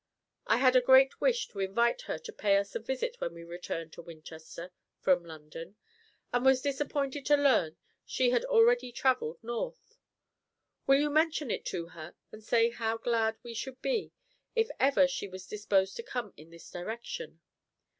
I had a great wish to invite her to pay us a visit when we returned to Winchester from London, and was disappointed to learn she had already travelled north. Will you mention it to her, and say how glad we should be if ever she was disposed to come in this direction?